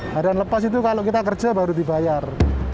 harian lepas itu kalau kita kerja baru dibayar